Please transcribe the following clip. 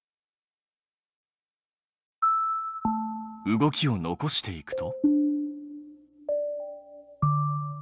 動きを残していくと。